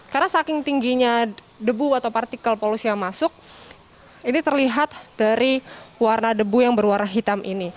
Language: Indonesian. karena saking tingginya debu atau partikel polusi yang masuk ini terlihat dari warna debu yang berwarna hitam ini